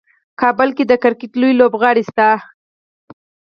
کابل کې د کرکټ لوی لوبغالی شته.